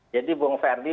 jadi bung ferdi